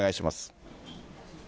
お願いします。